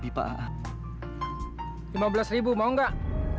ya di atas satu juta lebih pak